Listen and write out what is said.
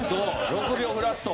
６秒フラット。